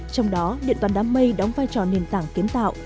trong đó điện toàn đám mây đóng vai trò nền tảng kiến tạo